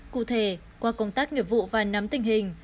cụ thể qua công tác nghiệp vụ và nắm tình hình